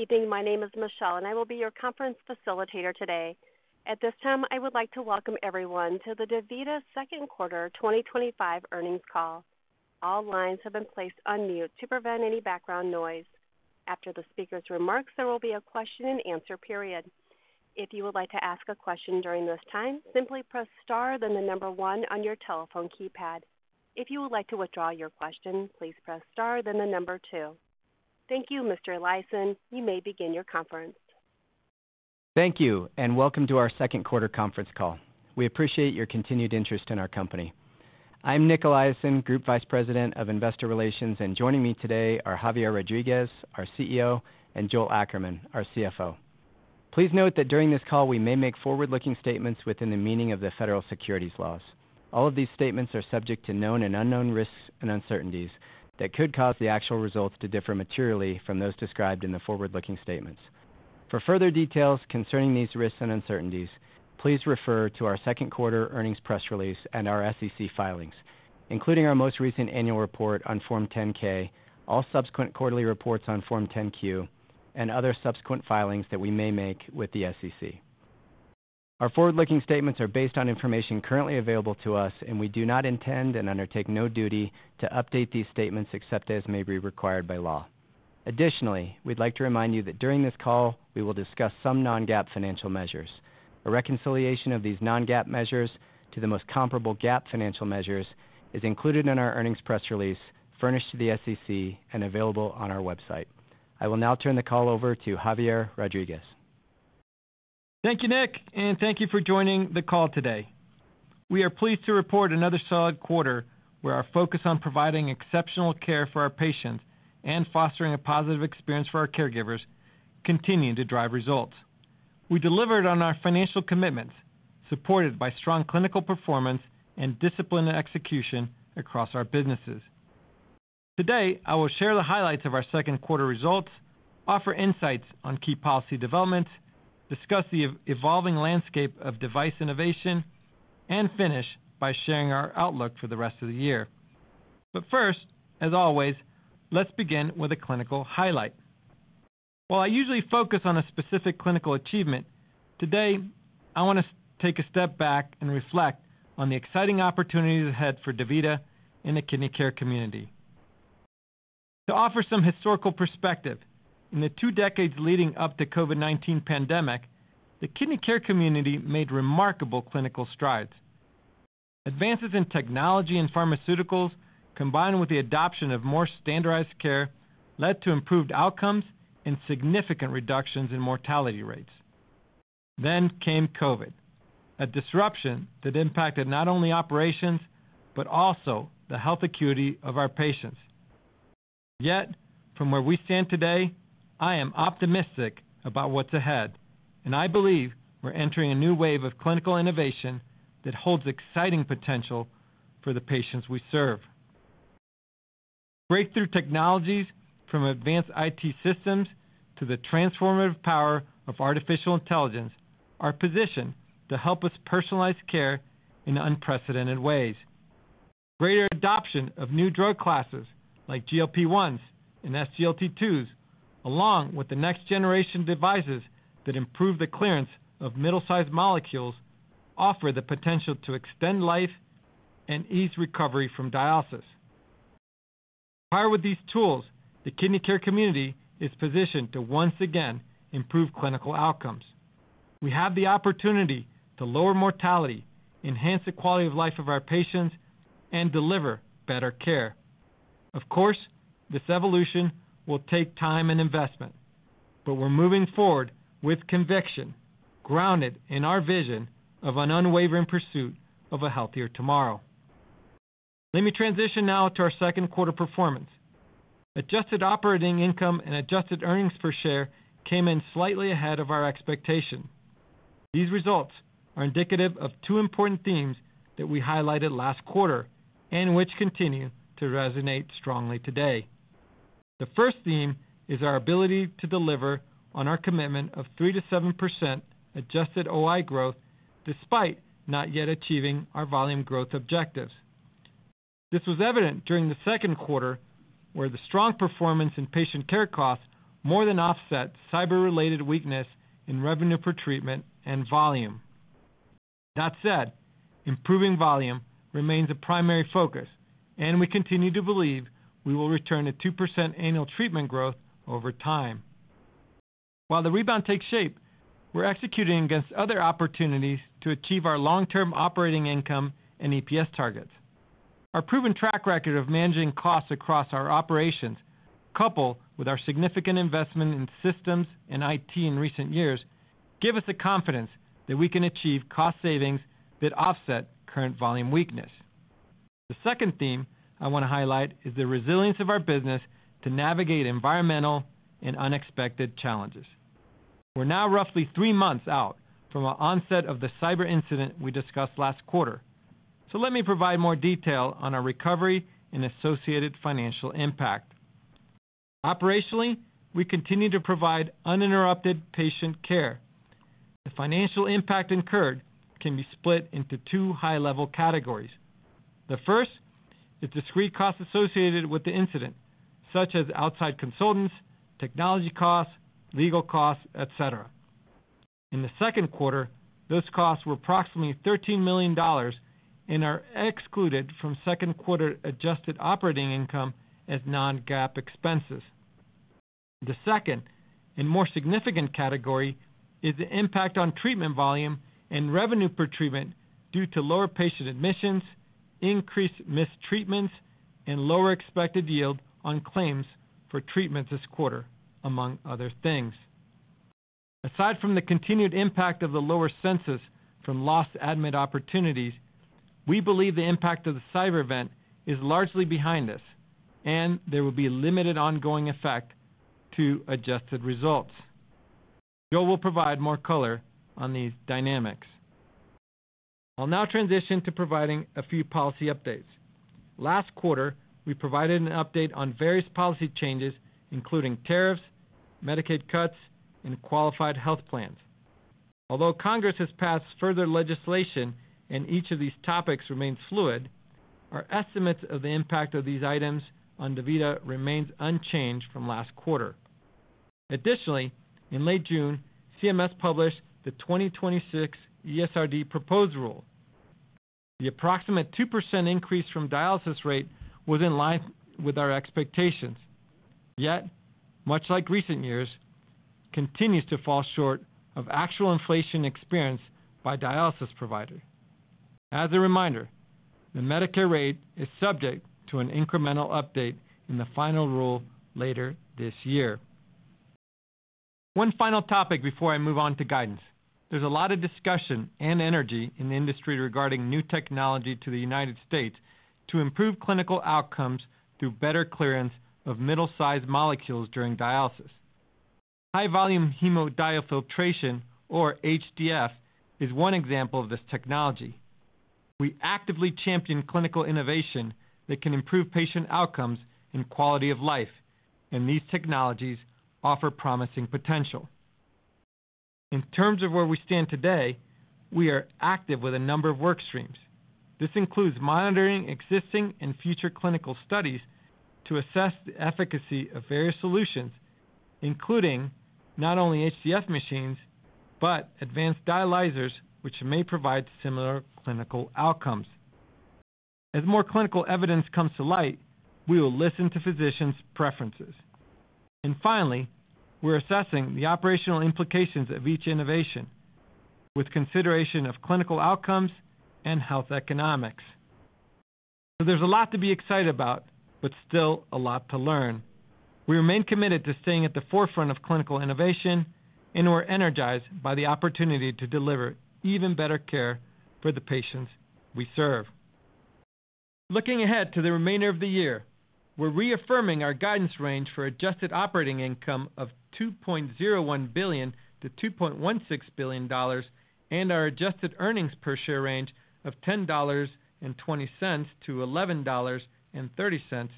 Good evening, my name is Michelle and I will be your conference facilitator today. At this time I would like to welcome everyone to the DaVita second quarter 2025 earnings call. All lines have been placed on mute to prevent any background noise. After the speaker's remarks, there will be a question-and-answer period. If you would like to ask a question during this time, simply press star then the number one on your telephone keypad. If you would like to withdraw your question, please press star then the number two. Thank you, Mr. Eliason. You may begin your conference. Thank you and welcome to our second quarter conference call. We appreciate your continued interest in our company. I'm Nic Eliason, Group Vice President of Investor Relations, and joining me today are Javier Rodriguez, our CEO, and Joel Ackerman, our CFO. Please note that during this call we may make forward-looking statements within the meaning of the federal securities laws. All of these statements are subject to known and unknown risks and uncertainties that could cause the actual results to differ. Materially from those described in the forward statements. For further details concerning these risks and uncertainties, please refer to our second quarter earnings press release and our SEC filings. Including our most recent annual report on Form 10-K, all subsequent quarterly reports on Form 10-Q, and other subsequent filings that we may make with the SEC. Our forward-looking statements are based on information currently available to us and we do not intend and undertake no duty to update these statements except as may be required by law. Additionally, we'd like to remind you that during this call we will discuss some non-GAAP financial measures. A reconciliation of these non-GAAP measures to the most comparable GAAP financial measures is included in our earnings press release furnished to the SEC and available on our website. I will now turn the call over to Javier Rodriguez. Thank you, Nic, and thank you for joining the call. Today we are pleased to report another solid quarter where our focus on providing exceptional care for our patients and fostering a positive experience for our caregivers continue to drive results. We delivered on our financial commitments, supported by strong clinical performance and disciplined execution across our businesses. Today I will share the highlights of our second quarter results, offer insights on key policy development, discuss the evolving landscape of device innovation, and finish by sharing our outlook for the rest of the year. First, as always, let's begin with a clinical highlight. While I usually focus on a specific clinical achievement, today I want to take a step back and reflect on the exciting opportunities ahead for DaVita and the kidney care community to offer some historical perspective. In the two decades leading up to the COVID-19 pandemic, the kidney care community made remarkable clinical strides. Advances in technology and pharmaceuticals, combined with the adoption of more standardized care, led to improved outcomes and significant reductions in mortality rates. COVID was a disruption that impacted not only operations but also the health acuity of our patients. Yet from where we stand today, I am optimistic about what's ahead, and I believe we're entering a new wave of clinical innovation that holds exciting potential for the patients we serve. Breakthrough technologies, from advanced IT systems to the transformative power of artificial intelligence, are positioned to help us personalize care in unprecedented ways. Greater adoption of new drug classes like GLP-1s and SGLT2s, along with the next generation devices that improve the clearance of middle-sized molecules, offer the potential to extend life and ease recovery from dialysis prior. With these tools, the kidney care community is positioned to once again improve clinical outcomes. We have the opportunity to lower mortality, enhance the quality of life of our patients, and deliver better care. Of course, this evolution will take time and investment, but we're moving forward with conviction, grounded in our vision of an unwavering pursuit of a healthier tomorrow. Let me transition now to our second quarter performance. Adjusted operating income and adjusted earnings per share came in slightly ahead of our expectation. These results are indicative of two important themes that we highlighted last quarter and which continue to resonate strongly today. The first theme is our ability to deliver on our commitment of 3%-7% adjusted operating income growth despite not yet achieving our volume growth objectives. This was evident during the second quarter where the strong performance in patient care costs more than offset cyber-related weakness in revenue per treatment and volume. That said, improving volume remains a primary focus and we continue to believe we will return to 2% annual treatment growth over time. While the rebound takes shape, we're executing against other opportunities to achieve our long-term operating income and EPS targets. Our proven track record of managing costs across our operations, coupled with our significant investment in systems and IT in recent years, give us the confidence that we can achieve cost savings that offset current volume weakness. The second theme I want to highlight is the resilience of our business to navigate environmental and unexpected challenges. We're now roughly three months out from the onset of the cyber incident we discussed last quarter, so let me provide more detail on our recovery and associated financial impact. Operationally, we continue to provide uninterrupted patient care. The financial impact incurred can be split into two high-level categories. The first is discrete costs associated with the incident such as outside consultants, technology costs, legal costs, etc. In the second quarter, those costs were approximately $13 million and are excluded from second quarter adjusted operating income as non-GAAP expenses. The second and more significant category is the impact on treatment volume and revenue per treatment due to lower patient admissions, increased mistreatment rates, and lower expected yield on claims for treatment this quarter, among other things. Aside from the continued impact of the lower census from lost admit opportunities, we believe the impact of the cyber event is largely behind us and there will be limited ongoing effect to adjusted results. Joel will provide more color on these dynamics. I'll now transition to providing a few policy updates. Last quarter we provided an update on various policy changes including tariffs, Medicaid cuts, and qualified health plans. Although Congress has passed further legislation and each of these topics remains fluid, our estimates of the impact of these items on DaVita remains unchanged from last quarter. Additionally, in late June, the CMS published the 2026 ESRD proposed rule. The approximate 2% increase from dialysis rate was in line with our expectations, yet much like recent years, continues to fall short of actual inflation experienced by dialysis providers. As a reminder, the Medicare rate is subject to an incremental update in the final rule later this year. One final topic before I move on to guidance. There's a lot of discussion and energy in the industry regarding new technology to the United States to improve clinical outcomes through better clearance of middle sized molecules during dialysis. High-volume hemodiafiltration (HDF) is one example of this technology. We actively champion clinical innovation that can improve patient outcomes and quality of life, and these technologies offer promising potential. In terms of where we stand today, we are active with a number of work streams. This includes monitoring existing and future clinical studies to assess the efficacy of various solutions, including not only HDF machines but advanced dialyzers, which may provide similar clinical outcomes. As more clinical evidence comes to light, we will listen to physicians' preferences, and finally, we're assessing the operational implications of each innovation with consideration of clinical outcomes and health economics. There's a lot to be excited about, but still a lot to learn. We remain committed to staying at the forefront of clinical innovation, and we're energized by the opportunity to deliver even better care for the patients we serve. Looking ahead to the remainder of the year, we're reaffirming our guidance range for adjusted operating income of $2.01 billion-$2.16 billion and our adjusted earnings per share range of $10.20-$11.30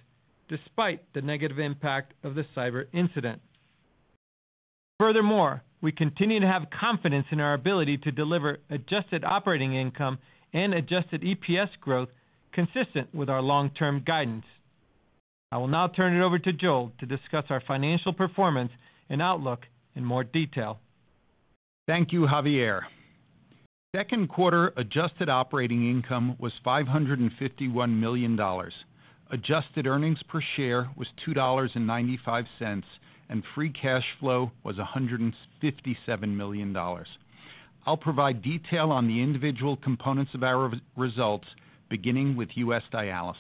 despite the negative impact of the cyber incident. Furthermore, we continue to have confidence in our ability to deliver adjusted operating income and adjusted EPS growth consistent with our long-term guidance. I will now turn it over to Joel to discuss our financial performance and outlook in more detail. Thank you, Javier. Second quarter adjusted operating income was $551 million, adjusted earnings per share was $2.95, and free cash flow was $157 million. I'll provide detail on the individual components of our results beginning with U.S. dialysis.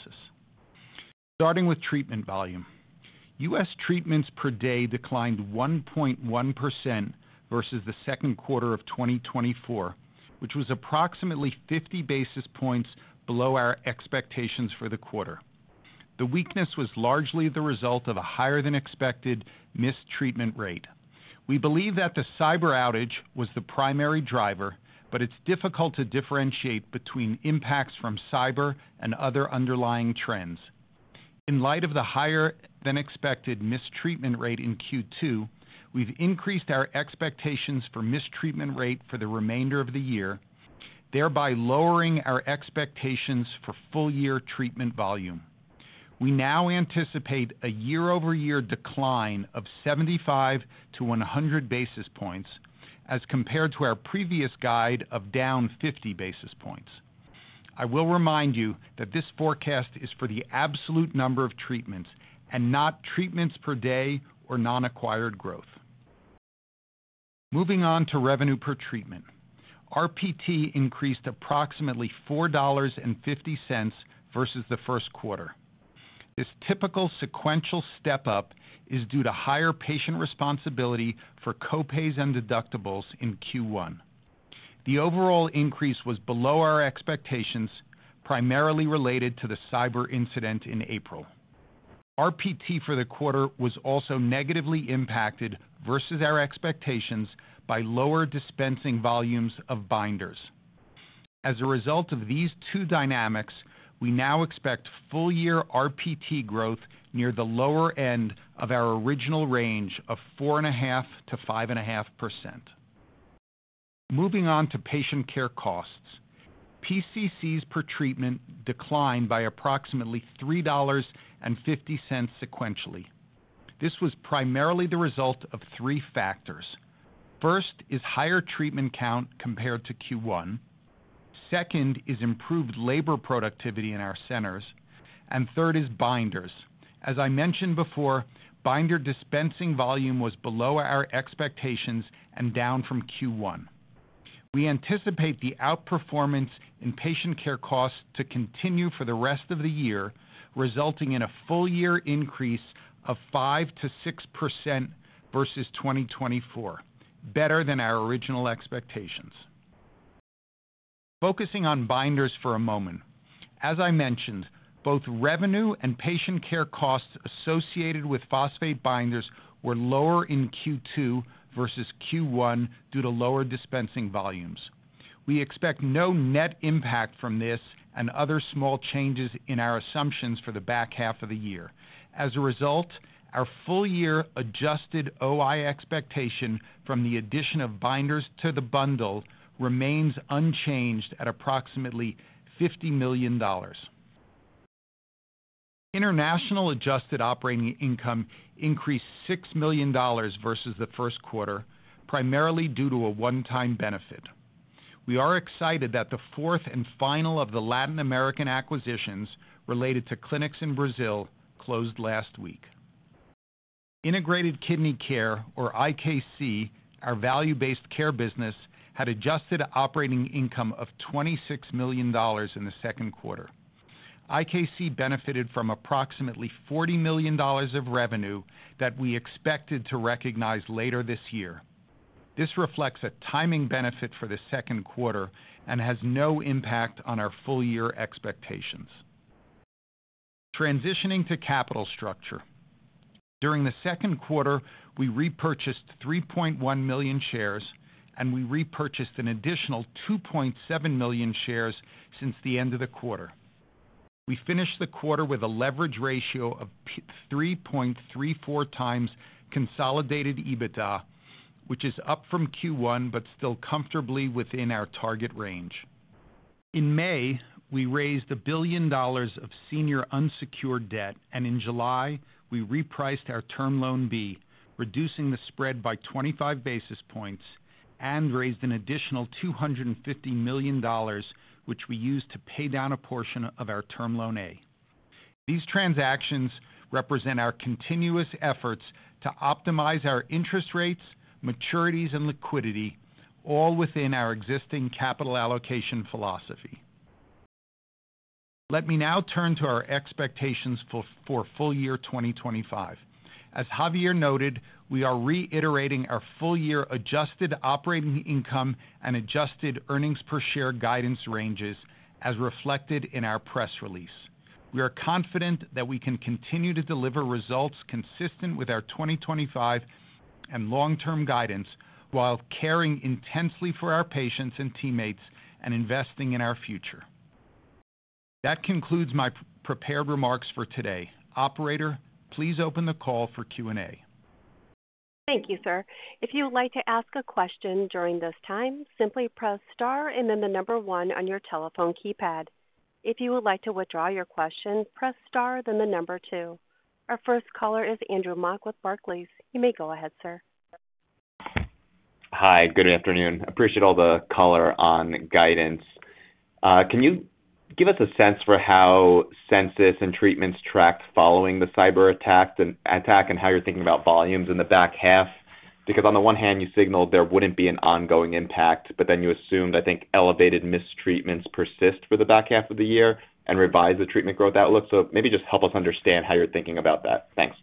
Starting with treatment volume, U.S. treatments per day declined 1.1% versus the second quarter of 2024, which was approximately 50 basis points below our expectations for the quarter. The weakness was largely the result of a higher than expected mistreatment rate. We believe that the cyber outage was the primary driver, but it's difficult to differentiate between impacts from cyber and other underlying trends. In light of the higher than expected mistreatment rate in Q2, we've increased our expectations for mistreatment rate for the remainder of the year, thereby lowering our expectations for full year treatment volume. We now anticipate a year-over-year decline of 75-100 basis points as compared to our previous guide of down 50 basis points. I will remind you that this forecast is for the absolute number of treatments and not treatments per day or non-acquired growth. Moving on to revenue per treatment, RPT increased approximately $4.50 versus the first quarter. This typical sequential step up is due to higher patient responsibility for co-pays and deductibles. In Q1, the overall increase was below our expectations, primarily related to the cyber incident in April. RPT for the quarter was also negatively impacted versus our expectations by lower dispensing volumes of binders. As a result of these two dynamics, we now expect full year RPT growth near the lower end of our original range of 4.5%-5.5%. Moving on to patient care costs, PCCs per treatment declined by approximately $3.50 sequentially. This was primarily the result of three factors. First is higher treatment count compared to Q1, second is improved labor productivity in our centers, and third is binders. As I mentioned before, binder dispensing volume was below our expectations and down from Q1. We anticipate the outperformance in patient care costs to continue for the rest of the year, resulting in a full year increase of 5%-6% versus 2024, better than our original expectations. Focusing on binders for a moment, as I mentioned, both revenue and patient care costs associated with phosphate binders were lower in Q2 versus Q1 due to lower dispensing volumes. We expect no net impact from this and other small changes in our assumptions for the back half of the year. As a result, our full year adjusted operating income expectation from the addition of binders to the bundle remains unchanged at approximately $50 million. International adjusted operating income increased $6 million versus the first quarter, primarily due to a one-time benefit. We are excited that the fourth and final of the Latin American acquisitions related to clinics in Brazil closed last week. Integrated Kidney Care, or IKC, our value-based care business, had adjusted operating income of $26 million in the second quarter. IKC benefited from approximately $40 million of revenue that we expected to recognize later this year. This reflects a timing benefit for the second quarter and has no impact on our full year expectations. Transitioning to capital structure, during the second quarter we repurchased 3.1 million shares, and we repurchased an additional 2.7 million shares since the end of the quarter. We finished the quarter with a leverage ratio of 3.34 times consolidated EBITDA, which is up from Q1 but still comfortably within our target range. In May, we raised $1 billion of senior unsecured debt, and in July we repriced our term loan B, reducing the spread by 25 basis points and raised an additional $250 million, which we used to pay down a portion of our term loan A. These transactions represent our continuous efforts to optimize our interest rates, maturities, and liquidity, all within our existing capital allocation philosophy. Let me now turn to our expectations for full year 2025. As Javier noted, we are reiterating our full year adjusted operating income and adjusted earnings per share guidance ranges as reflected in our press release. We are confident that we can continue to deliver results consistent with our 2025 and long-term guidance while caring intensely for our patients and teammates and investing in our future. That concludes my prepared remarks for today. Operator, please open the call for Q&A. Thank you, sir. If you would like to ask a question during this time, simply press star and then the number one on your telephone keypad. If you would like to withdraw your question, press star then the number two. Our first caller is Andrew Mok with Barclays. You may go ahead, sir. Hi, good afternoon. Appreciate all the color on guidance. Can you give us a sense for how census and treatments tracked following the cyber attack and how you're thinking about volumes in the back half? On the one hand, you signaled there wouldn't be an ongoing impact, but then you assumed, I think, elevated mistreatment rates persist for the back half of the year and revised the treatment growth outlook. Maybe just help us understand how you're thinking about that. Thanks.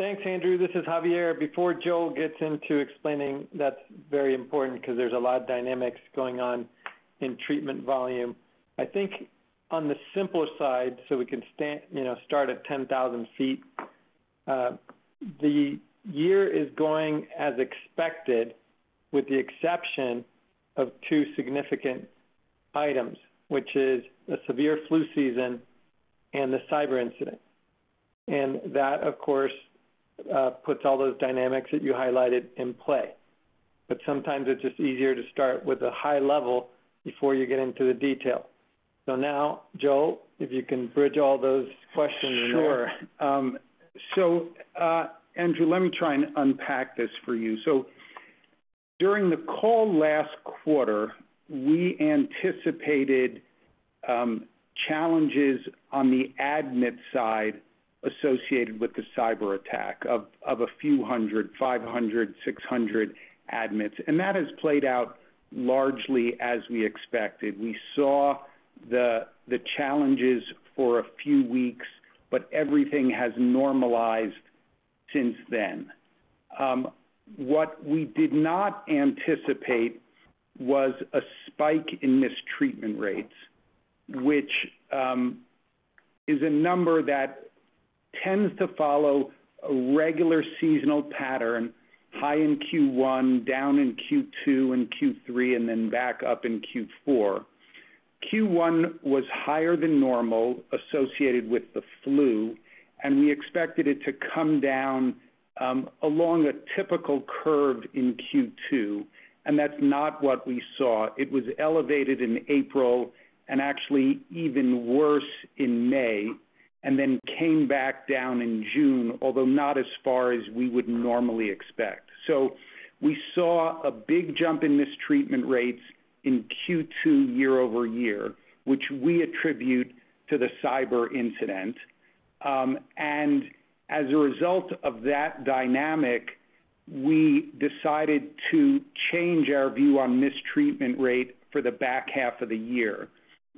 Thanks, Andrew. This is Javier. Before Joel gets into explaining, that's very important because there's a lot of dynamics going on in treatment volume, I think, on the simpler side. We can start at 10,000 ft. The year is going as expected, with the exception of two significant items, which is a severe flu season and the cyber incident. That, of course, puts all those dynamics that you highlighted in play. Sometimes it's just easier to start with a high level before you get into the detail. Joel, if you can bridge all those questions. Sure. Andrew, let me try and unpack this for you. During the call last quarter, we anticipated challenges on the admit side associated with the cyber attack of a few hundred, 500, 600 admits. That has played out largely as we expected. We saw the challenges for a few weeks, but everything has normalized since then. What we did not anticipate was a spike in mistreatment rates, which is a number that tends to follow a regular seasonal pattern: high in Q1, down in Q2 and Q3, and then back up in Q4. Q1 was higher than normal associated with the flu, and we expected it to come down along a typical curve in Q2, and that's not what we saw. It was elevated in April and actually even worse in May and then came back down in June, although not as far as we would normally expect. We saw a big jump in mistreatment rates in Q2 year-over-year, which we attribute to the cyber incident. As a result of that dynamic, we decided to change our view on mistreatment rate for the back half of the year,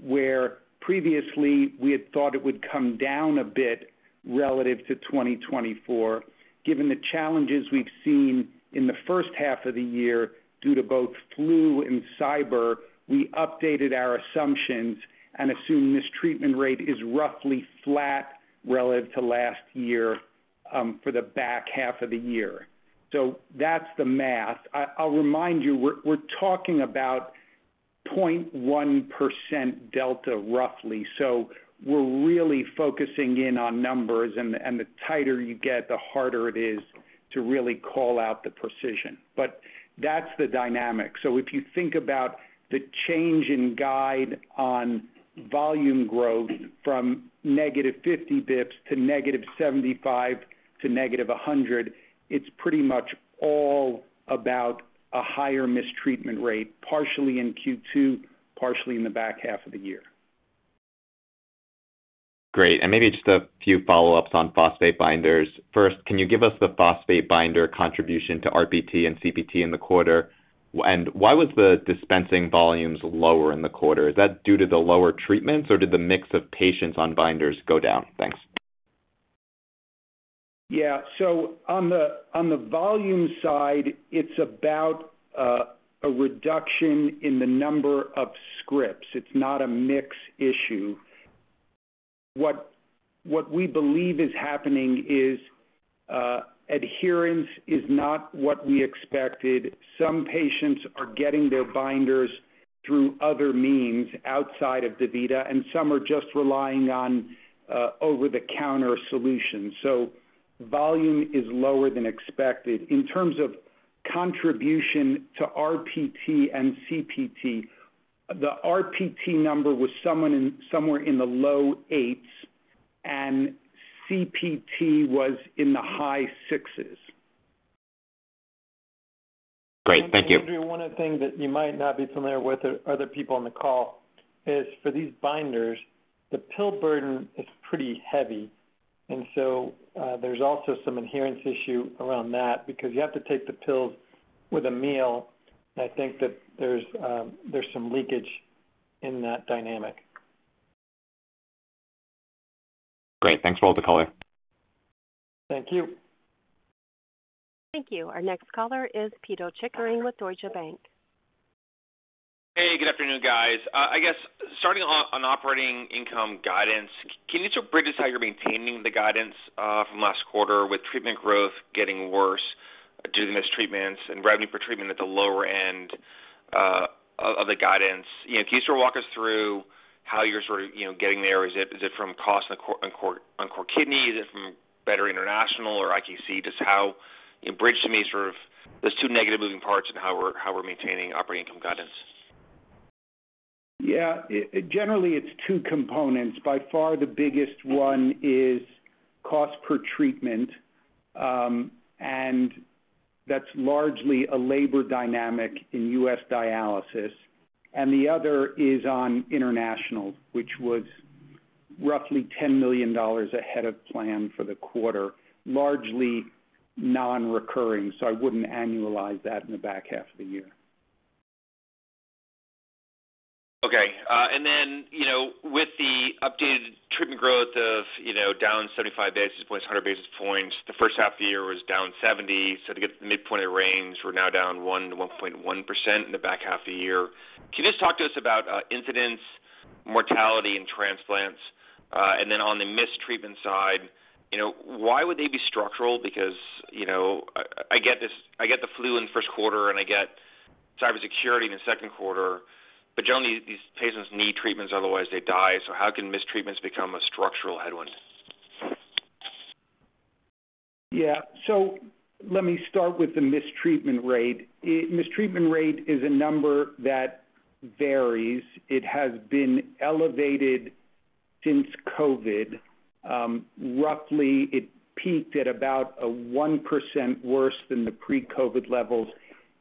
where previously we had thought it would come down a bit relative to 2024. Given the challenges we've seen in the first half of the year due to both flu and cyber, we updated our assumptions and assume mistreatment rate is roughly flat relative to last year for the back half of the year. That's the math. I'll remind you, we're talking about 0.1% delta roughly. We're really focusing in on numbers, and the tighter you get, the harder it is to really call out the precision. That's the dynamic. If you think about the change in guide on volume growth from -50 basis points to -75 to -100, it's pretty much all about a higher mistreatment rate, partially in Q2, partially in the back half of the year. Great. Maybe just a few follow ups on phosphate binders. First, can you give us the phosphate binder contribution to RPT and CPT in the quarter? Why was the dispensing volumes lower in the quarter? Is that due to the lower treatments or did the mix of patients on binders go down? Thanks. Yeah, on the volume side, it's about a reduction in the number of scripts. It's not a mix issue. What we believe is happening is adherence is not what we expected. Some patients are getting their binders through other means outside of DaVita and some are just relying on over-the-counter solutions. Volume is lower than expected in terms of contribution to RPT and CPT. The RPT number was somewhere in the low eights and CPT was in the high sixes. Great, thank you. One of the things that you might not be familiar with or other people on the call is for these binders, the pill burden is pretty heavy. There's also some adherence issue around that because you have to take the pills with a meal. I think that there's some leakage in that dynamic. Great. Thanks for all the callers. Thank you. Thank you. Our next caller is Pito Chickering with Deutsche Bank. Hey, good afternoon, guys. I guess starting on operating income guidance. Can you sort of bridge us how you're maintaining the guidance from last quarter with treatment growth getting worse due to mistreatment rates and revenue per treatment at the lower end of the guidance? Can you sort of walk us through how you're sort of, you know, getting there? Is it from cost on core kidney? Is it from better international or IKC? Just how bridge to me sort of those two negative moving parts and how we're, how we're maintaining operating income guidance. Yeah, generally it's two components. By far the biggest one is cost per treatment, and that's largely a labor dynamic in U.S. dialysis. The other is on international, which was roughly $10 million ahead of plan for the quarter, largely non-recurring. I wouldn't annualize that in the back half of the year. Okay. With the updated treatment growth of down 7.5 basis points, 100 basis points, the first half of the year was down 70. To get the midpoint of the range, we're now down to 1.1% in the back half of the year. Can you just talk to us about incidence, mortality, and transplants? On the mistreatment side, why would they be structural? I get the flu in the first quarter and I get cybersecurity in the second quarter. Generally these patients need treatments, otherwise they die. How can mistreatments become a structural headwind? Let me start with the mistreatment rate. Mistreatment rate is a number that varies. It has been elevated since COVID, roughly. It peaked at about 1% worse than the pre-COVID levels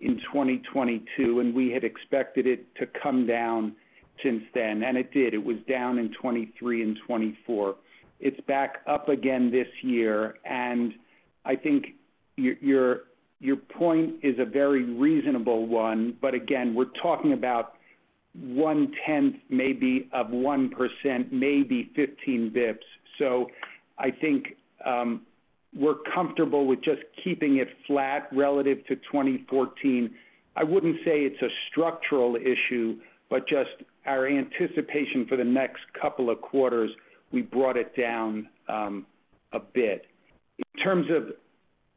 in 2022. We had expected it to come down since then, and it did. It was down in 2023 and 2024. It's back up again this year. I think your point is a very reasonable one. We're talking about 1/10, maybe of 1%, maybe 15 basis points. I think we're comfortable with just keeping it flat relative to 2014. I wouldn't say it's a structural issue, just our anticipation for the next couple of quarters. We brought it down a bit.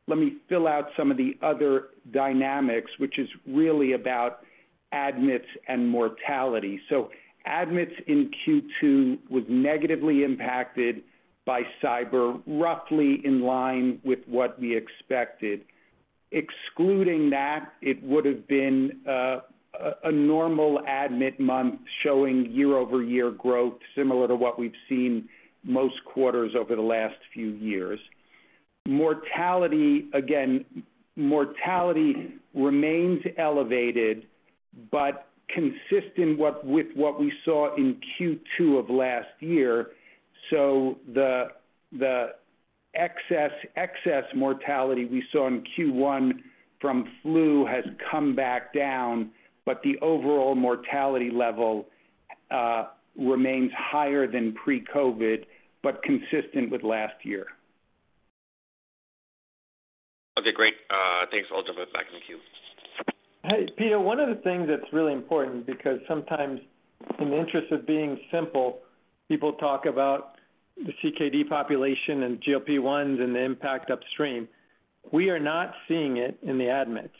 Let me fill out some of the other dynamics, which is really about admits and mortality. Admits in Q2 was negatively impacted by cyber, roughly in line with what we expected. Excluding that, it would have been a normal admit month, showing year-over-year growth similar to what we've seen most quarters over the last few years. Mortality remains elevated, but consistent with what we saw in Q2 of last year. So the excess mortality we saw in Q1 from flu has come back down, but the overall mortality level remains higher than pre-COVID but consistent with last year. Okay, great, thanks. I'll jump back in the queue. Hey, Pito, one of the things that's really important because sometimes in the interest of being simple, people talk about the CKD population and GLP-1s and the impact upstream. We are not seeing it in the admits.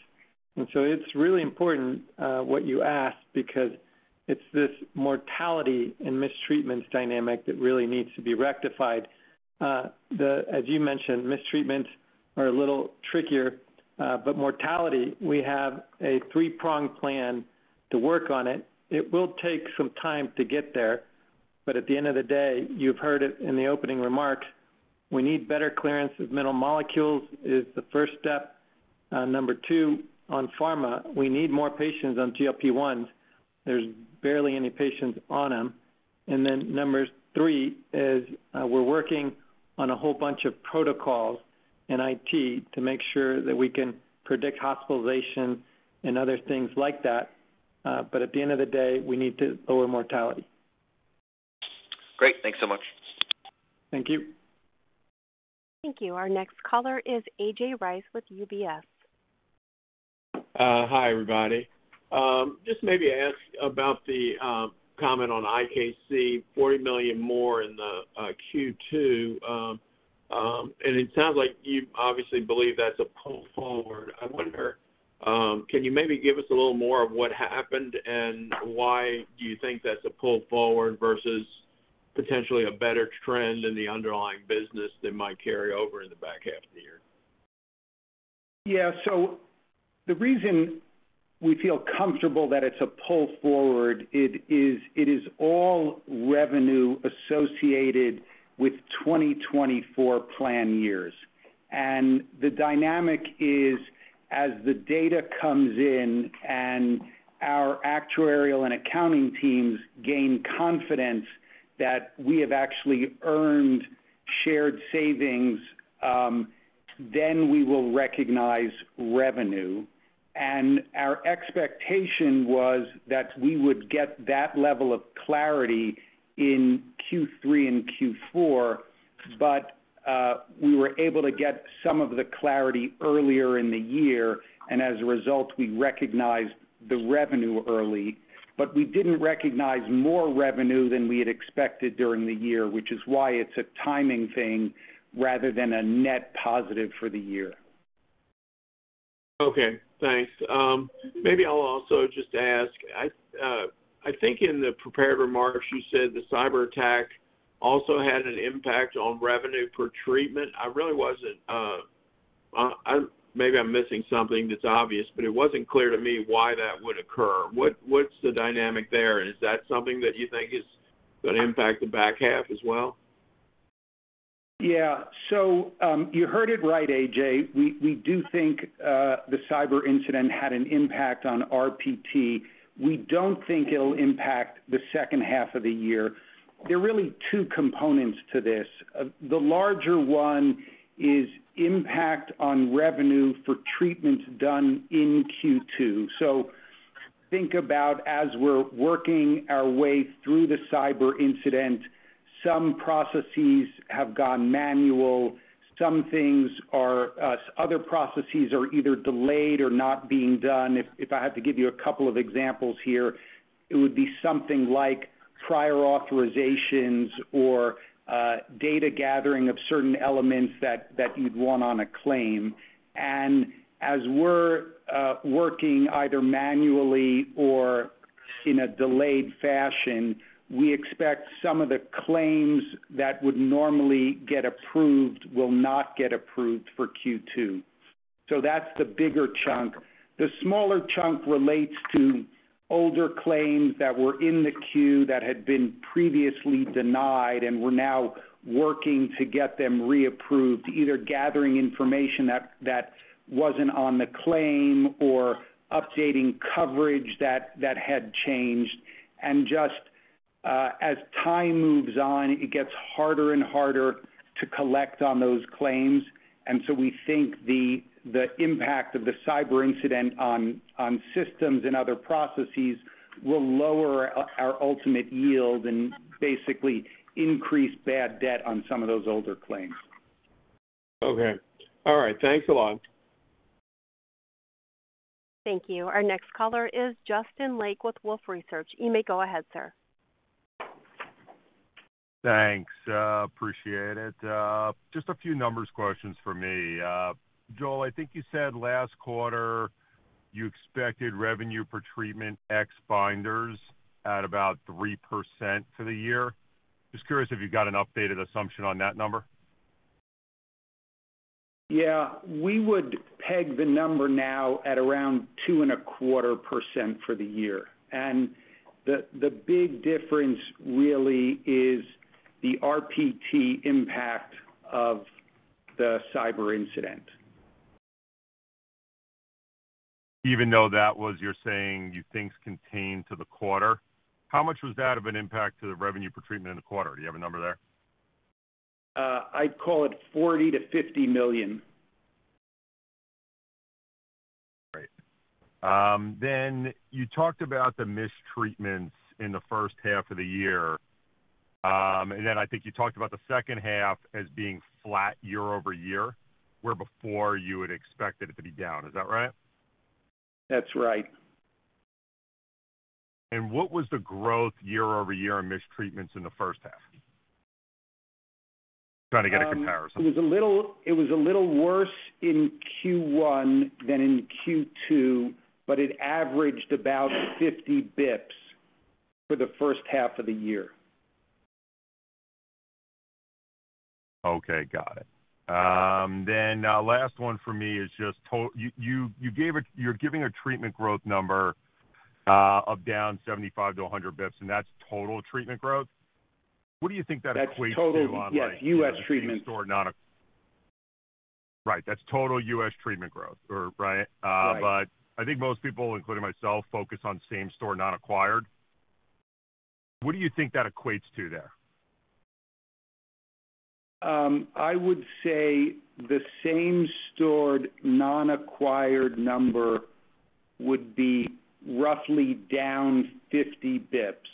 It's really important what you ask because it's this mortality and mistreatment rates dynamic that really needs to be rectified. As you mentioned, mistreatment rates are a little trickier, but mortality, we have a three-pronged plan to work on it. It will take some time to get there, but at the end of the day, you've heard it in the opening remarks, we need better clearance of minimal molecules as the first step. Number two on pharma, we need more patients on GLP-1s. There's barely any patients on them. Number three is we're working on a whole bunch of protocols in it to make sure that we can predict hospitalization and other things like that. At the end of the day, we need to lower mortality. Great. Thanks so much. Thank you. Thank you. Our next caller is A.J. Rice with UBS. Hi everybody. Just maybe ask about the comment on IKC. $40 million more in the Q2, and it sounds like you obviously believe that's a pull forward. I wonder, can you maybe give us a little more of what happened? Why do you think that's a pull forward versus potentially a better trend in the underlying business that might carry over in the back half of the year? Yeah. The reason we feel comfortable that it's a pull forward is it is all revenue associated with 2024 plan years. The dynamic is as the data comes in and our actuarial and accounting teams gain confidence that we have actually earned shared savings, then we will recognize revenue. Our expectation was that we would get that level of clarity in Q3 and Q4. We were able to get some of the clarity earlier in the year. As a result, we recognized the revenue early, but we didn't recognize more revenue than we had expected during the year, which is why it's a timing thing rather than a net positive for the year. Okay, thanks. Maybe I'll also just ask. I think in the prepared remarks you said the cyber attack also had an impact on revenue for treatment. I really wasn't. Maybe I'm missing something that's obvious, but it wasn't clear to me why that would occur. What's the dynamic there? Is that something that you think is going to impact the back half as well? Yeah. You heard it right, A.J., we do think the cyber incident had an impact on RPT. We don't think it'll impact the second half of the year. There are really two components to this. The larger one is its impact on revenue for treatments done in Q2. Think about as we're working our way through the cyber incident, some processes have gone manual, some things are. Other processes are either delayed or not being done. If I have to give you a couple of examples here, it would be something like prior authorizations or data gathering of certain elements that you'd want on a claim. As we're working either manually or in a delayed fashion, we expect some of the claims that would normally get approved will not get approved for Q2. That's the bigger chunk. The smaller chunk relates to older claims that were in the queue that had been previously denied and we're now working to get them reapproved, either gathering information that wasn't on the claim or updating coverage that had changed. As time moves on, it gets harder and harder to collect on those claims. We think the impact of the cyber incident on systems and other processes will lower our ultimate yield and basically increase bad debt on some of those older claims. Okay, all right, thanks a lot. Thank you. Our next caller is Justin Lake with Wolfe Research. You may go ahead, sir. Thanks. Appreciate it. Just a few numbers questions for me, Joel. I think you said last quarter you expected revenue per treatment X binders at about 3% for the year. Just curious if you've got an updated assumption on that number. Yeah, we would peg the number now at around 2.25% for the year. The big difference really is the RPT impact of the cyber incident. Even though that was, you're saying, you think is contained to the quarter, how much was that of an impact to the revenue per treatment in the quarter? Do you have a number there? I'd call it $40 million-$50 million. Great. You talked about the mistreatment rates in the first half of the year and then I think you talked about the second half as being flat year-over-year where before you had expected it to be down. Is that right? That's right. What was the growth year-over-year in mistreatment rates in the first half? Trying to get a comparison. It was a little worse in Q1 than in Q2, but it averaged about 50 basis points for the first half of the year. Okay, got it. Last one for me is just you're giving a treatment growth number of down 75-100 basis points. That's total treatment growth. What do you think that equates to online? U.S. treatment store. Not right. That's total U.S. treatment growth, right. I think most people, including myself, focus on same store, not acquired. What do you think that equates to there? I would say the same store non-acquired number would be roughly down 50 basis points.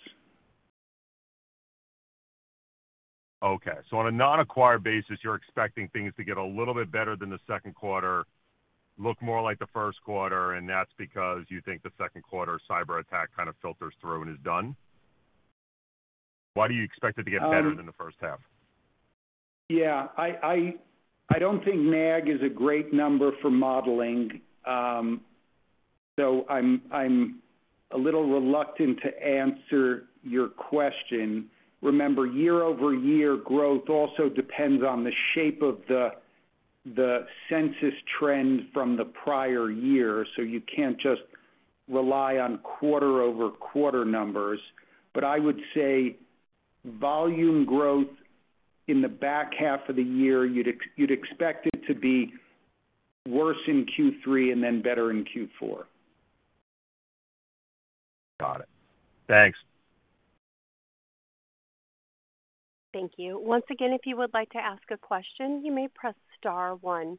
Okay, so on a non-acquired basis, you're expecting things to get a little bit better than the second quarter, look more like the first quarter. That's because you think the second quarter cyber attack kind of filters through and is done. Why do you expect it to get better than the first half? I don't think NAG is a great number for modeling though. I'm a little reluctant to answer your question. Remember, year-over-year growth also depends on the shape of the census trend from the prior year. You can't just rely on quarter-over-quarter numbers. I would say volume growth in the back half of the year, you'd expect it to be worse in Q3 and then better in Q4. Got it. Thanks. Thank you. Once again, if you would like to ask a question, you may press star one.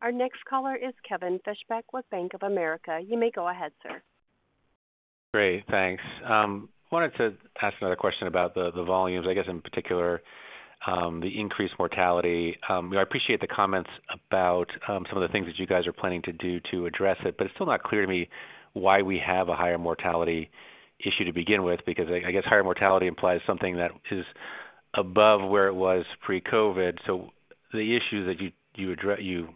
Our next caller is Kevin Fischbeck with Bank of America. You may go ahead, sir. Great, thanks. Wanted to ask another question about the volumes, I guess in particular the increased mortality. I appreciate the comments about some of the things that you guys are planning to do to address it, but it's still not clear to me why we have a higher mortality issue to begin with because I guess higher mortality implies something that is above where it was pre-COVID. The issue that you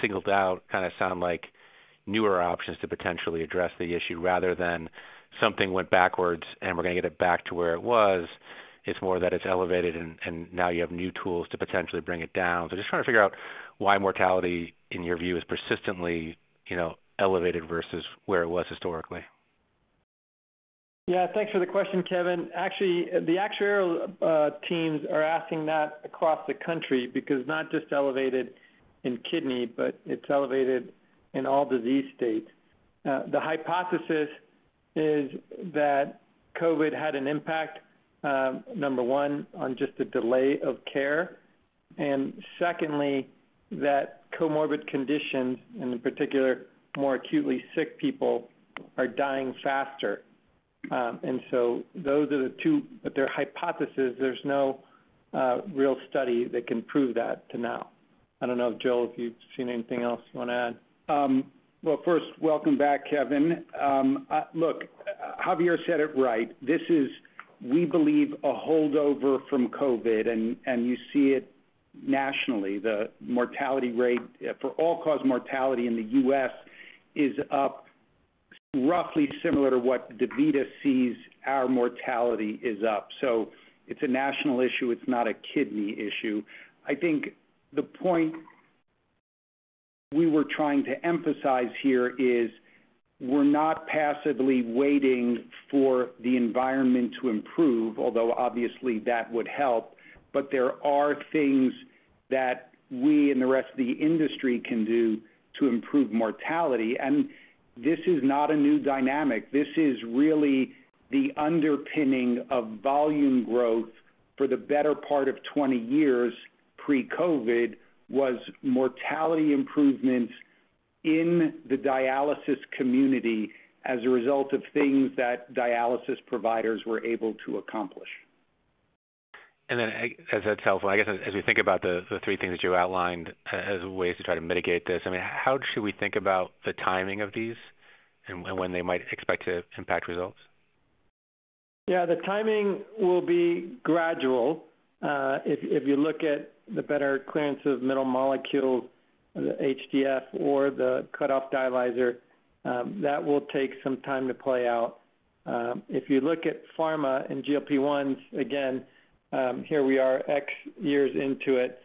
singled out kind of sounds like newer options to potentially address the issue rather than something went backwards and we're going to get it back to where it was. It's more that it's elevated and now you have new tools to potentially bring it down. Just trying to figure out why mortality in your view is persistently elevated versus where it was historically. Yeah, thanks for the question, Kevin. Actually, the actuarial teams are asking that across the country because it's not just elevated in kidney, but it's elevated in all disease states. The hypothesis is that Covid had an impact, number one on just the delay of care, and secondly that comorbid conditions and in particular more acutely sick people are dying faster. Those are their two hypotheses. There's no real study that can prove that to now. I don't know, Joel, if you've seen anything else you want to add. First, welcome back, Kevin. Javier said it right. This is, we believe, a holdover from COVID, and you see it nationally. The mortality rate for all-cause mortality in the U.S. is up, roughly similar to what DaVita sees; our mortality is up. It is a national issue, it's not a kidney issue. I think the point we were trying to emphasize here is we're not passively waiting for the environment to improve, although obviously that would help. There are things that we and the rest of the industry can do to improve mortality. This is not a new dynamic. This is really the underpinning of volume growth. For the better part of 20 years pre-COVID, it was mortality improvements in the dialysis community as a result of things that dialysis providers were able to accomplish. As that's helpful, I guess as we think about the three things that you outlined as ways to try to mitigate this, how should we think about the timing of these and when they might expect to impact results? Yeah, the timing will be gradual. If you look at the better clearance of metal molecule, the high-volume hemodiafiltration or the cutoff dialyzer, that will take some time to play out. If you look at Pharma and GLP-1s, again, here we are X years into it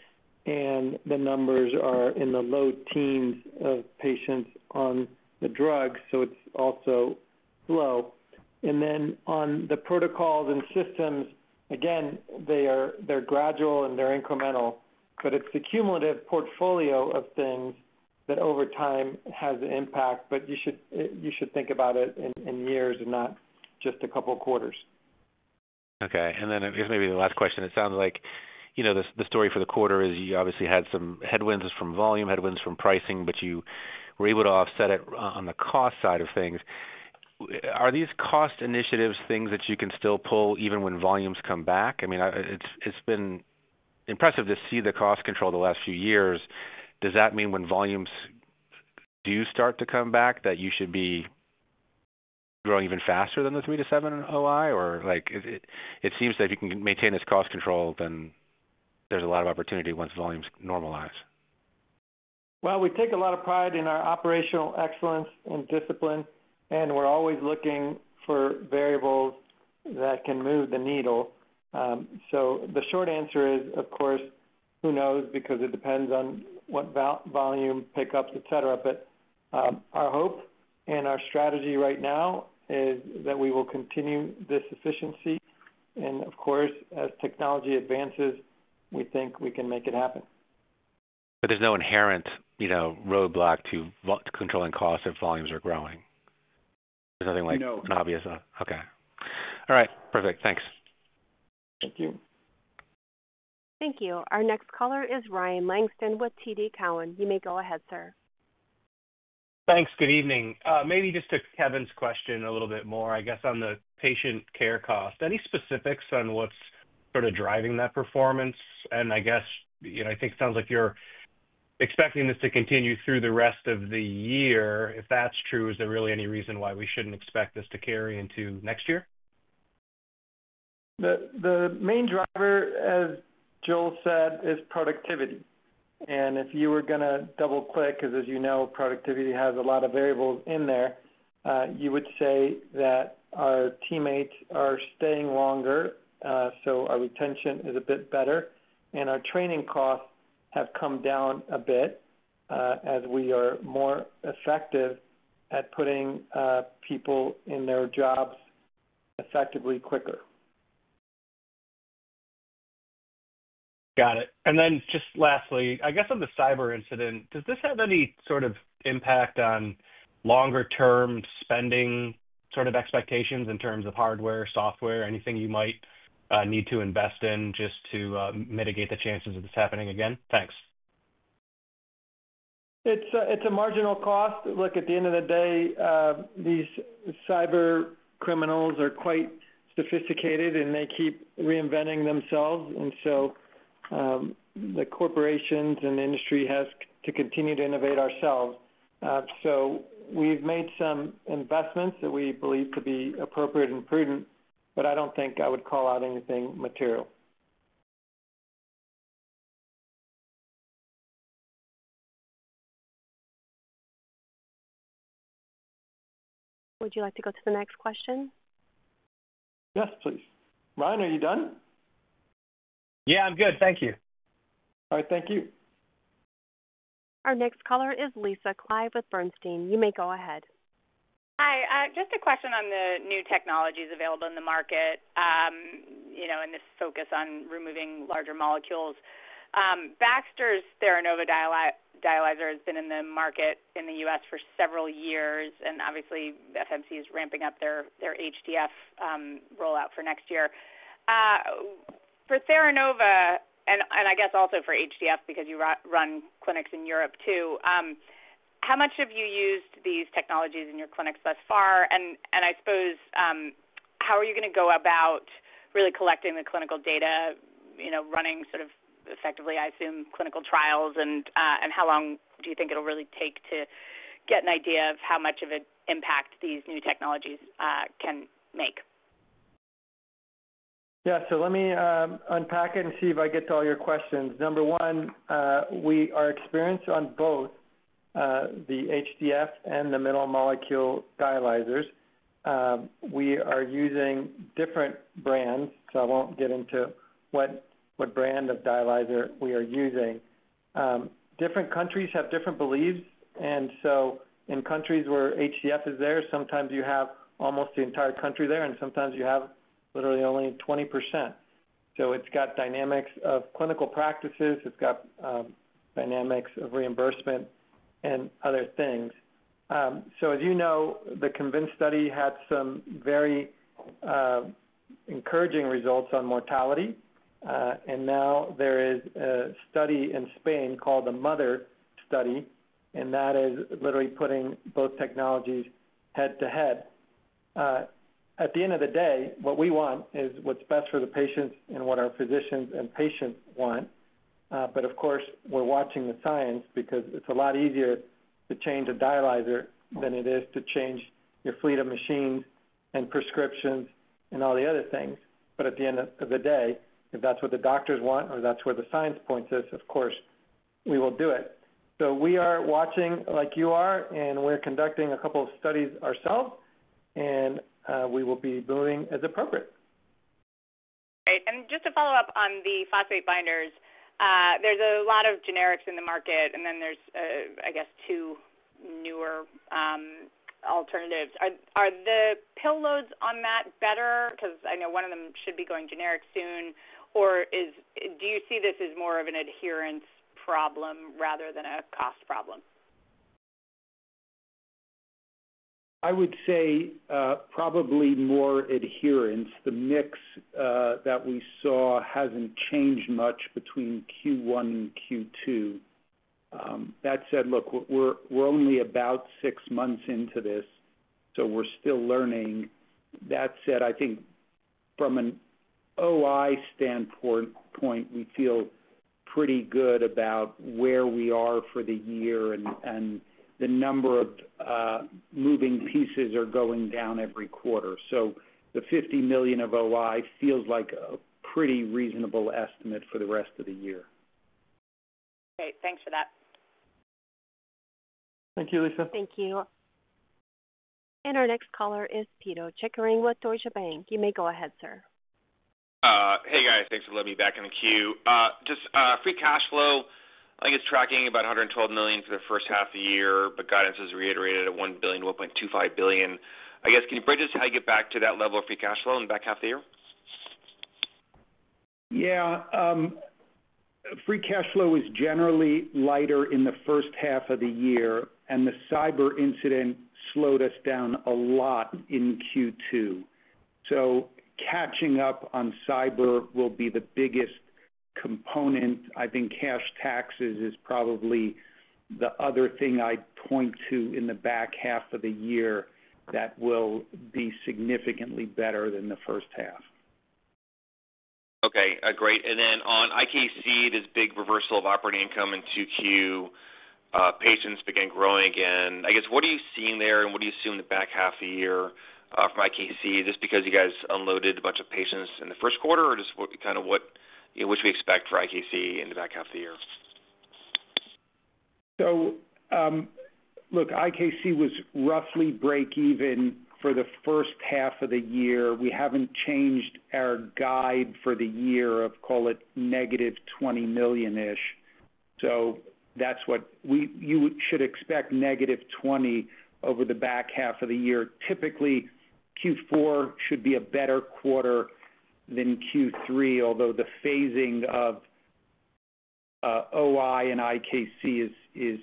and the numbers are in the low teens of patients on the drugs. It's also slow. On the protocols and systems, they are gradual and incremental, but it's the cumulative portfolio of things that over time has an impact. You should think about it in years and not just a couple quarters. Okay. Maybe the last question. It sounds like, you know, the story for the quarter is you obviously had some headwinds from volume, headwinds from pricing, but you were able to offset it. On the cost side of things, are these cost initiatives things that you can still pull even when volumes come back? It's been impressive to see the cost control the last few years. Does that mean when volumes do start to come back, that you should be growing even faster than the 3%-7%? It seems that if you can maintain this cost control, then there's a lot of opportunity once volumes normalize. We take a lot of pride in our operational excellence and discipline, and we're always looking for variables that can move the needle. The short answer is, of course, who knows, because it depends on what volume, pickups, etc. Our hope and our strategy right now is that we will continue this efficiency. Of course, as technology advances, we think we can make it happen. There is no inherent roadblock to controlling costs if volumes are growing. There is nothing like an obvious. Okay, all right, perfect. Thanks. Thank you. Thank you. Our next caller is Ryan Langston with TD Cowen. You may go ahead, sir. Thanks. Good evening. Maybe just to Kevin's question a little bit more, I guess, on the patient care cost. Any specifics on what's sort of driving that performance? I guess, you know, I think it sounds like you're expecting this to continue through the rest of the year. If that's true, is there really any reason why we shouldn't expect this to carry into next year? The main driver, as Joel said, is productivity. If you were going to double click, because as you know, productivity has a lot of variables in there, you would say that our teammates are staying longer, so our retention is a bit better and our training costs have come down a bit as we are more effective at putting people in their jobs effectively quicker. Got it. Lastly, I guess on the cyber incident, does this have any sort of impact on longer term spending? Sort of expectations in terms of hardware, software, anything you might need to invest in just to mitigate the chances of this happening again. Thanks. It's a marginal cost. At the end of the day, these cyber criminals are quite sophisticated and they keep reinventing themselves. The corporations and industry have to continue to innovate ourselves. We've made some investments that we believe to be appropriate and prudent, but I don't think I would call out anything material. Would you like to go to the next question? Yes, please. Ryan, are you done? Yeah, I'm good, thank you. All right, thank you. Our next caller is Lisa Clive with Bernstein. You may go ahead. Hi. Just a question on the new technologies available in the market, you know, in this focus on removing larger molecules. Baxter's Theranova Dialyzer has been in the market in the U.S. for several years. Obviously, FMC is ramping up their HDF rollout for next year for Theranova and I guess also for HDF, because you run clinics in Europe, too. How much have you used these technologies in your clinics thus far? I suppose, how are you going to go about really collecting the clinical data, running sort of effectively, I assume, clinical trials? How long do you think it'll really take to get an idea of how much of an impact these new technologies can make? Yeah, let me unpack it and see if I get to all your questions. Number one, we are experienced on both the HDF and the mineral molecule dialyzers. We are using different brands, so I won't get into what brand of dialyzer we are using. Different countries have different beliefs. In countries where HDF is there, sometimes you have almost the entire country there, and sometimes you have literally only 20%. It's got dynamics of clinical practices, it's got dynamics of reimbursement and other things. As you know, the CONVINCE study had some very encouraging results on mortality. There is a study in Spain called the MOTHER Study, and that is literally putting both technologies head to head. At the end of the day, what we want is what's best for the patients and what our physicians and patients want. Of course, we're watching the science because it's a lot easier to change a dialyzer than it is to change your fleet of machines and prescriptions and all the other things. At the end of the day, if that's what the doctors want or that's where the science points us, of course we will do it. We are watching like you are, and we're conducting a couple of studies ourselves and we will be billing as appropriate. Just to follow up on the phosphate binders, there's a lot of generics in the market and then there's, I guess, two newer alternatives. Are the pill loads on that better? I know one of them should be going generic soon. Do you see this as more of an adherence problem rather than a cost problem? I would say probably more adherence. The mix that we saw hasn't changed much between Q1 and Q2. That said, we're only about six months into this, so we're still learning. That said, I think from an OI standpoint, we feel pretty good about where we are for the year. The number of moving pieces are going down every quarter. The $50 million of OI feels like a pretty reasonable estimate for the rest of the year. Great, thanks for that. Thank you, Lisa. Thank you. Our next caller is Pito Chickering with Deutsche Bank. You may go ahead, sir. Hey guys, thanks for letting me back in the queue. Just free cash flow, I think it's tracking about $112 million for the first half of the year, but guidance was reiterated at $1 billion, $1.25 billion, I guess. Can you bridge us how you get back to that level of free cash flow in the back half of the year? Free cash flow is generally lighter in the first half of the year. The cyber incident slowed us down a lot in Q2. Catching up on cyber will be the biggest component. I think cash taxes is probably the other thing I'd point to in the back half of the year that will be significantly better than the first half. Okay, great. On IKC, this big reversal of operating income in 2Q, patients begin growing again, I guess. What are you seeing there and what do you assume in the back half of the year from IKC? This because you guys unloaded a bunch of patients in the first quarter or just kind of, what should we expect for IKC in the back half of the year? IKC was roughly break even for the first half of the year. We haven't changed our guide for the year of, call it -$20 million-ish. That's what we, you should expect, -$20 million over the back half of the year. Typically Q4 should be a better quarter than Q3, although the phasing of adjusted operating income in IKC is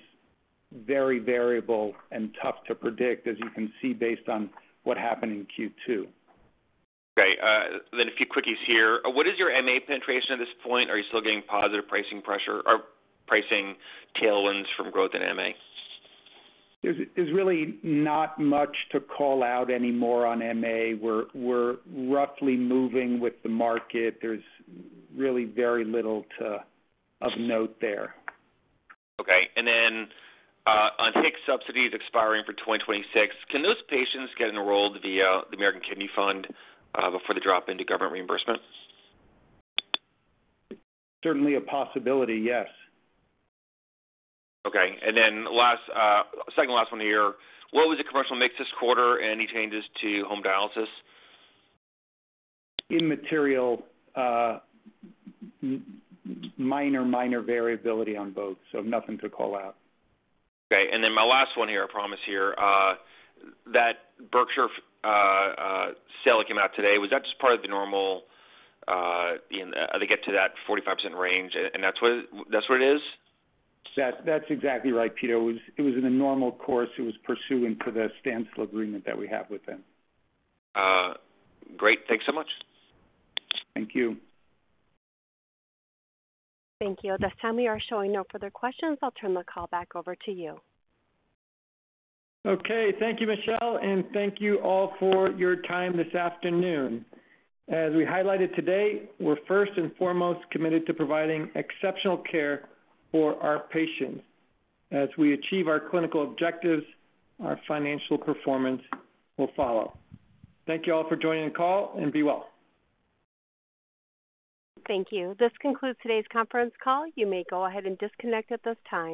very variable and tough to predict, as you can see. Based on what happened in Q2. Few quickies here. What is your MA penetration at this point? Are you still getting positive pricing pressure? Are pricing tailwinds from growth in MA? There's really not much to call out anymore on MA. We're roughly moving with the market. There's really very little of note there. Okay, on HIX subsidies expiring for 2026, can those patients get enrolled via the American Kidney Fund before they drop into government reimbursement? Certainly a possibility, yes. Okay. Last, second last one of the year, what was the commercial mix this quarter? Any changes to home dialysis? Immaterial. Minor. Minor variability on both. Nothing to call out. Okay. My last one here. I promise. That Berkshire sale that came out today, was that just part of the normal, they get to that 45% range and that's what it is? That's exactly right, Pito. It was in a normal course. It was pursuant to the standstill agreement that we have with them. Great. Thanks so much. Thank you. Thank you. At this time, we are showing no further questions. I'll turn the call back over to you. Thank you, Michelle. Thank you all for your time this afternoon. As we highlighted today, we're first and foremost committed to providing exceptional care for our patients. As we achieve our clinical objectives, our financial performance will follow. Thank you all for joining the call. Be well. Thank you. This concludes today's conference call. You may go ahead and disconnect at this time.